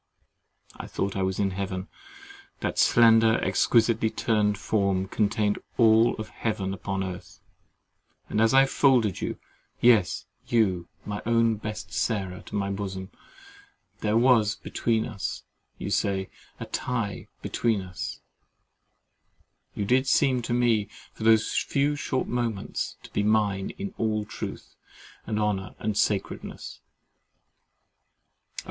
I thought I was in heaven—that slender exquisitely turned form contained my all of heaven upon earth; and as I folded you—yes, you, my own best Sarah, to my bosom, there was, as you say, A TIE BETWEEN US—you did seem to me, for those few short moments, to be mine in all truth and honour and sacredness—Oh!